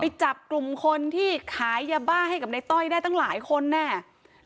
จับกลุ่มคนที่ขายยาบ้าให้กับในต้อยได้ตั้งหลายคนแน่